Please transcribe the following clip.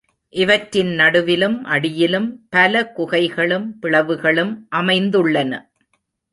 இவற்றின் நடுவிலும் அடியிலும் பல குகைகளும், பிளவுகளும் அமைந்துள்ளன.